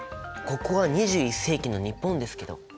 ここは２１世紀の日本ですけど？